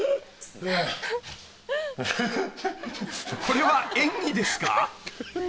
［これは演技ですか？］